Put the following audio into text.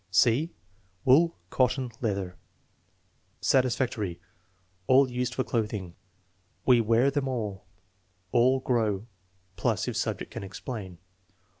(c) Wool, cotton, leather Satisfactory. "All used for clothing." "We wear them all." "All grow" (plus if subject can explain).